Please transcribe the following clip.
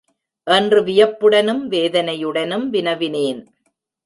என்று வியப்புடனும் வேதனையுடனும் வினவினேன்.